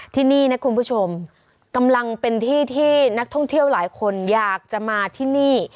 ที่นี่นะคุณผู้ชมกำลังเป็นที่ที่นักท่องเที่ยวหลายคนอยากจะมาที่นี่